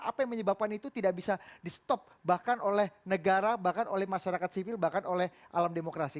apa yang menyebabkan itu tidak bisa di stop bahkan oleh negara bahkan oleh masyarakat sipil bahkan oleh alam demokrasi